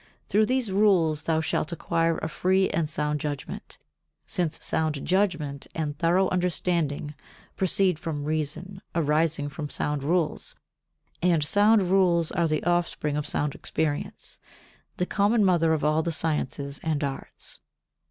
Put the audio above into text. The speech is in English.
Through these rules thou shalt acquire a free and sound judgement, since sound judgement and thorough understanding proceed from reason arising from sound rules, and sound rules are the offspring of sound experience, the common mother of all the sciences and arts.